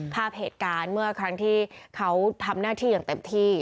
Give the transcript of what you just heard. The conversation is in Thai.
ภาพเหตุการณ์เมื่อครั้งที่เขาทำหน้าที่อย่างเต็มที่